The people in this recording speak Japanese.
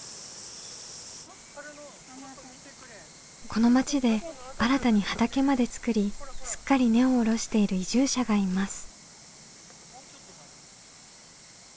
この町で新たに畑まで作りすっかり根を下ろしている移住者がいます。